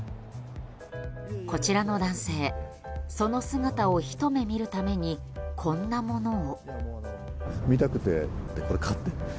こちらの男性、その姿をひと目見るためにこんなものを。